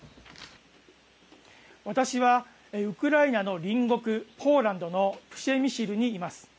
私はウクライナの隣国ポーランドのプシェミシルにいます。